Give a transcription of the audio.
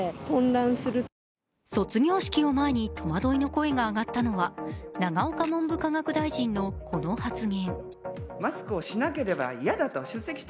卒業式を前に戸惑いの声が上がったのは永岡文部科学大臣のこの発言。